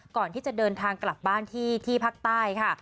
ก่อนที่จะเดินทางกลับบ้านที่ภาคใต้ค่ะ